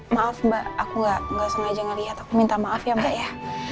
maaf mbak aku enggak gorgeous ngajang lihat aku minta maaf ya ya